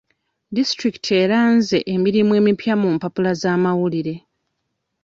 Disitulikiti eranze emirimu emipya mu mpapula z'amawulire.